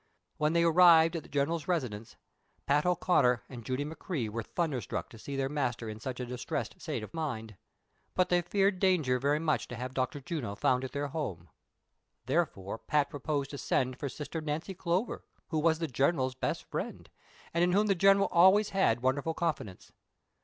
When they arrived at the general's residence, Pat O'Conner and Judy McCrea were thunder struck to see their master in such a distressed state of mind ; but they feared danger very much to have Dr. Juno found at their home ; therefore, Pat proposed to send for sister Nancy Clover, who was the general's best friend, and in whom the general always had wonderful confidence.